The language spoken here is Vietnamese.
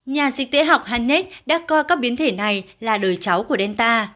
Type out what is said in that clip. nhà dịch tễ học hannets đã coi các biến thể này là đời cháu của delta